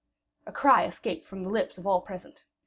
A cry escaped from the lips of all present.